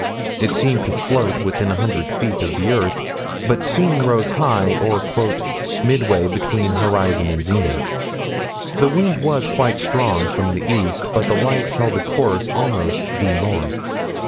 It seemed to float within a hundred feet of the earth, but soon rose high, or "midway between horizon and zenith." The wind was quite strong from the east, but the light held a course almost due north.